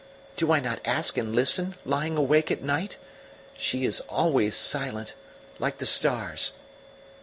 Do I not ask and listen, lying awake at night? She is always silent, like the stars."